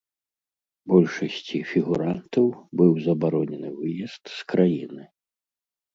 Большасці фігурантаў быў забаронены выезд з краіны.